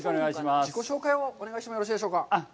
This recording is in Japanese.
自己紹介をお願いしてもよろしいでしょうか。